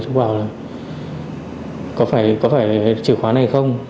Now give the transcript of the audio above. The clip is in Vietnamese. chứ bảo là có phải có phải chìa khóa này không